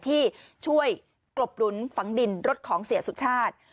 ที่ช่วยกลบหลุนฝังดินรถของเสียสุชาติ